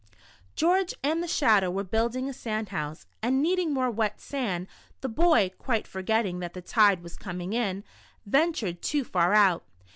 George and the Shadow were building a sand house, and needing more wet sand, the boy, quite forgetting that the tide was coming in, ventured too far out.